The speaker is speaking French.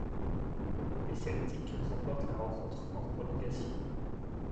Les Celtics remportent la rencontre en prolongation.